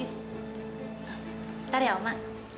bentar ya oma